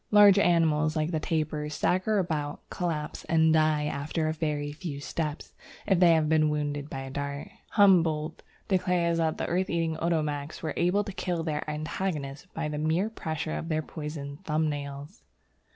Large animals like the tapir stagger about, collapse, and die after a very few steps, if they have been wounded by a dart. Humboldt declares that the earth eating Otomaks were able to kill their antagonists by the mere pressure of their poisoned thumbnails.